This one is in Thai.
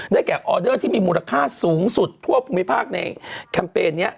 แก่ออเดอร์ที่มีมูลค่าสูงสุดทั่วภูมิภาคในแคมเปญนี้